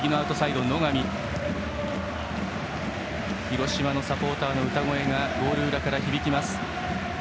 広島のサポーターの歌声がゴール裏から響きます。